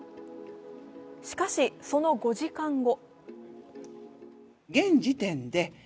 しかし、その５時間後。